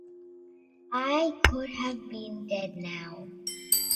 I could have been dead now.